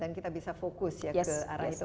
dan kita bisa fokus ya ke arah itu